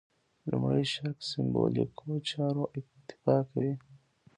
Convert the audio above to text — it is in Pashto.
لومړي شرک سېمبولیکو چارو اکتفا کوي.